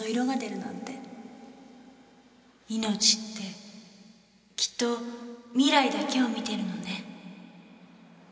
命ってきっと未来だけを見てるのね。